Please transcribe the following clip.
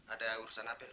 ada urusan hp lu